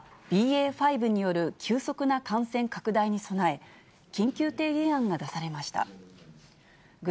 分科会ではＢＡ．５による急速な感染拡大に備え、緊急提言案が出されました。